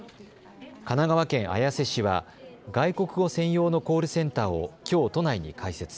神奈川県綾瀬市は外国語専用のコールセンターを、きょう都内に開設。